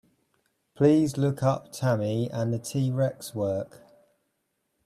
Please look up Tammy and the T-Rex work.